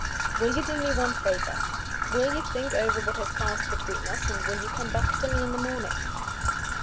"Will you do me one favor? Will you think over what has passed between us, and will you come back to me in the morning?"